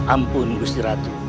ampun gusti ratu